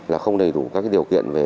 là không đầy đủ các điều kiện